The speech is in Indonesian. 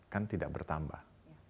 kan tidak bertambah